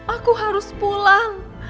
aku harus pulang